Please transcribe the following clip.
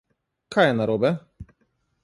Kaj je narobe?